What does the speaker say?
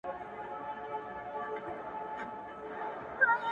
o چي تېغ چلېږي، وينه بهېږي٫